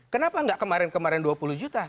kenapa nggak kemarin kemarin dua puluh juta